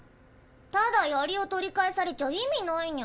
ただ槍を取り返されちゃ意味ないニャ。